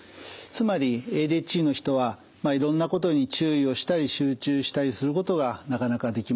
つまりＡＤＨＤの人はいろんなことに注意をしたり集中したりすることがなかなかできません。